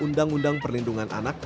dengan undang undang pernindungan anak